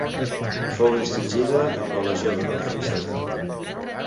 Fou distingida amb la Legió d’Honor francesa.